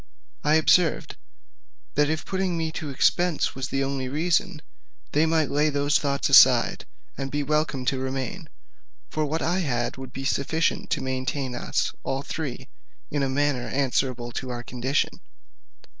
I observed, that if putting me to expense was the only reason, they might lay those thoughts aside, and be welcome to remain: for what I had would be sufficient to maintain us all three, in a manner answerable to our condition.